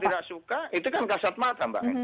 suka atau tidak suka itu kan kasat mata mbak